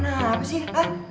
beruah kenapa sih